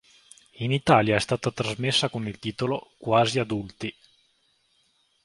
In Italia è stata trasmessa con il titolo "Quasi adulti".